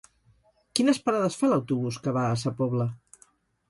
Quines parades fa l'autobús que va a Sa Pobla?